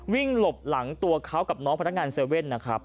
วิ่งหลบหลังตัวเขากับน้องพนักงานเซเว่นนะครับ